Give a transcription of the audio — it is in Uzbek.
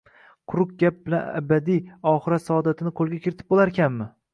quruq gap bilan abadiy oxirat saodatini qo‘lga kiritib bo‘larkanmi?!.